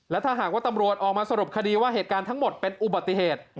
และถ้าหากว่าตำรวจออกมาสรุปคดีว่าเหตุการณ์ทั้งหมดเป็นอุบัติเหตุ